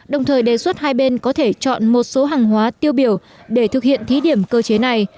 đồng thời đề xuất hai bên có thể chọn một số hàng hóa tiêu biểu để thực hiện thí điểm cơ chế này